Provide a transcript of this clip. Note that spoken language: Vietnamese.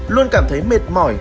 luôn cảm thấy mệt mỏi